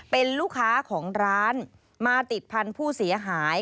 เป็นลูกค้าของร้านมาติดพันธุ์ผู้เสียหาย